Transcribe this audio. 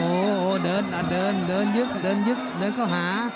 โอ้โหเดินอ่ะเดินเดินยึกเดินยึกเดินเข้าหา